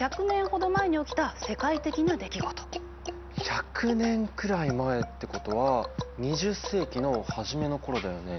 １００年くらい前ってことは２０世紀の初めの頃だよね。